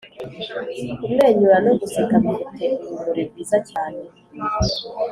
kumwenyura no guseka bifite urumuri rwiza cyane.